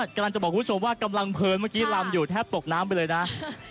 เดี๋ยวคุณชนะทำไมคุณหน้าตาเปลี่ยนไป